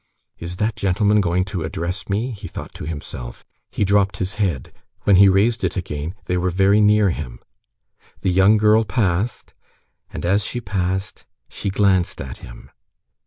"Is that gentleman going to address me?" he thought to himself. He dropped his head; when he raised it again, they were very near him. The young girl passed, and as she passed, she glanced at him.